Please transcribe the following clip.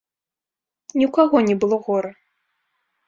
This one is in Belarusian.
Ні ў каго не было гора.